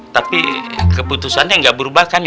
tapi keputusannya gak berubah kan ya